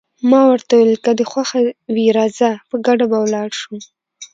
ما ورته وویل: که دې خوښه وي راځه، په ګډه به ولاړ شو.